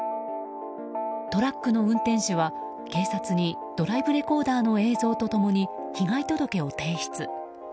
トラックの運転手は、警察にドライブレコーダーの映像と共に被害届を提出。